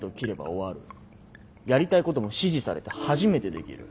やりたいことも支持されて初めてできる。